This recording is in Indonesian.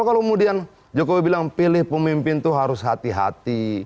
kalau kemudian jokowi bilang pilih pemimpin itu harus hati hati